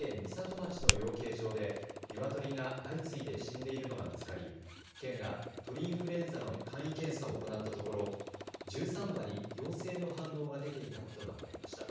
町の養鶏場でニワトリが相次いで死んでいるのが見つかり県が、鳥インフルエンザの簡易検査を行ったところ１３羽に陽性の反応が出ていたことが分かりました。